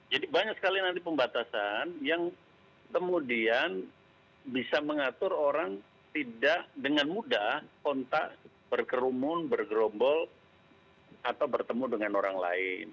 jadi banyak sekali nanti pembatasan yang kemudian bisa mengatur orang tidak dengan mudah kontak berkerumun bergerombol atau bertemu dengan orang lain